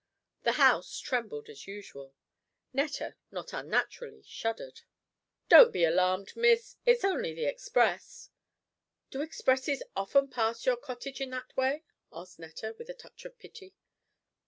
The house trembled as usual. Netta, not unnaturally, shuddered. "Don't be alarmed, Miss, it's only the express." "Do expresses often pass your cottage in that way?" asked Netta, with a touch of pity.